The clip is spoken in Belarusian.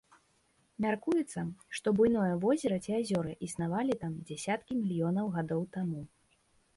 Мяркуецца, што буйное возера ці азёры існавалі там дзясяткі мільёнаў гадоў таму.